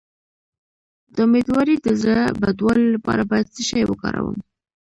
د امیدوارۍ د زړه بدوالي لپاره باید څه شی وکاروم؟